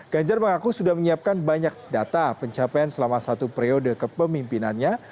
ganjar mengaku sudah menyiapkan banyak data pencapaian selama satu periode kepemimpinannya